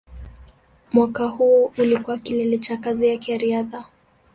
Mwaka huo ulikuwa kilele cha kazi yake ya riadha.